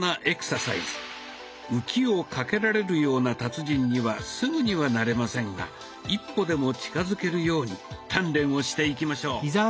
浮きをかけられるような達人にはすぐにはなれませんが一歩でも近づけるように鍛錬をしていきましょう。